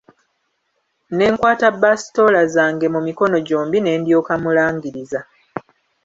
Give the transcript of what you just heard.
Ne nkwata basitoola zange mu mikono gyombi ne ndyoka mulangiriza.